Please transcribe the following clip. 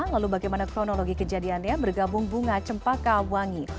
lalu bagaimana kronologi kejadiannya bergabung bunga cempaka wangi